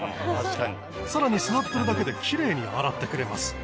さらに座ってるだけで奇麗に洗ってくれます。